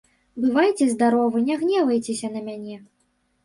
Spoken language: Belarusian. Бывайце здаровы, не гневайцеся на мяне.